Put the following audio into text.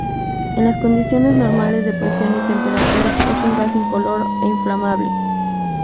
En las condiciones normales de presión y temperatura es un gas incoloro e inflamable.